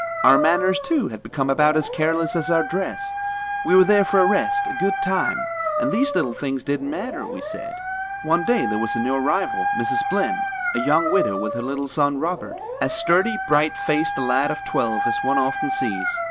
Our manners, too, had become about as careless as our dress; we were there for a rest, a good time, and these little things didn't matter, we said. "One day there was a new arrival. Mrs. Blinn, a young widow, with her little son, Robert, as sturdy, bright faced a lad of twelve as one often sees.